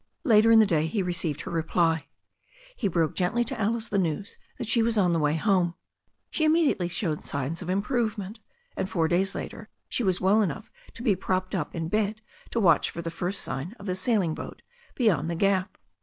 Later in the day he received her reply. He broke gently to Alice the news that she was on the way home. She im mediately showed signs of improvement, and four days later she was well enough to be propped up in bed to watch for the first sign of the sailing boat beyond the gap.